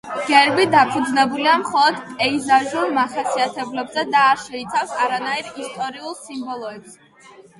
გერბი დაფუძნებულია მხოლოდ პეიზაჟურ მახასიათებლებზე და არ შეიცავს არანაირ ისტორიულ სიმბოლოებს.